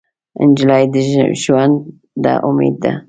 نجلۍ د ژونده امید ده.